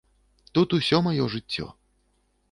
Тут усё маё жыццё.